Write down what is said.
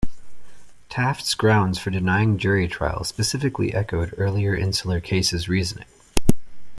Taft's grounds for denying jury trial specifically echoed earlier Insular Cases reasoning.